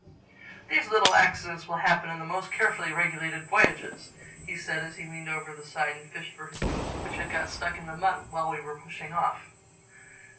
"These little accidents will happen in the most carefully regulated voyages," he said as he leaned over the side and fished for his boots which had got stuck in the mud while we were pushing off.